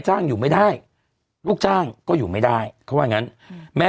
จ้างอยู่ไม่ได้ลูกจ้างก็อยู่ไม่ได้เขาว่างั้นแม่